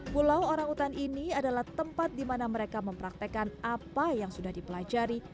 pulau orangutan ini adalah tempat di mana mereka mempraktekan apa yang sudah dipelajari